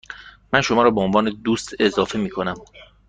من شما را به عنوان دوست اضافه می کنم.